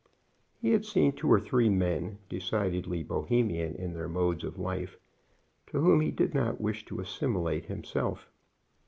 He had seen two or three men, decidedly Bohemian in their modes of life, to whom he did not wish to assimilate himself.